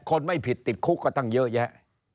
คนไม่ผิดติดคุกก็ตั้งเยอะแยะ